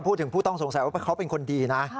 ผู้ต้องสงสัยว่าเขาเป็นคนดีนะ